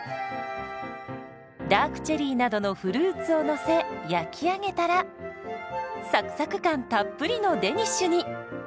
ダークチェリーなどのフルーツをのせ焼き上げたらサクサク感たっぷりのデニッシュに。